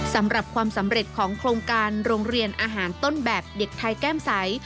สำหรับความสำเร็จของโครงการโรงเรียนอาหารต้นแบบเด็กไทยแก้มใส